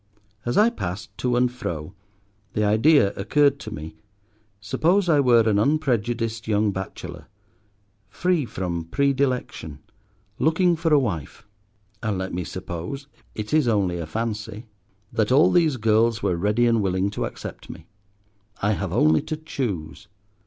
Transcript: As I passed to and fro the idea occurred to me: suppose I were an unprejudiced young bachelor, free from predilection, looking for a wife; and let me suppose—it is only a fancy—that all these girls were ready and willing to accept me. I have only to choose!